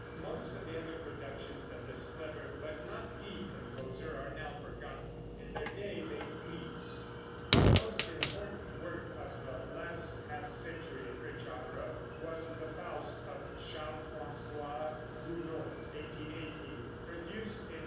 Most of the other productions of this clever, but not deep, composer, are now forgotten. In their day they pleased. The most important work of the last half century of French opera was the "Faust" of Charles François Gounod (1818 ), produced in 1859.